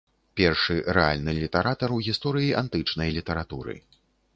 Першы рэальны літаратар у гісторыі антычнай літаратуры.